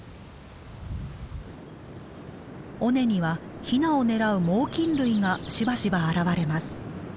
尾根にはヒナを狙う猛きん類がしばしば現れます。